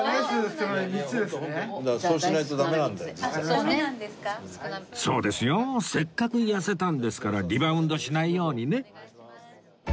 そうですよせっかく痩せたんですからリバウンドしないようにね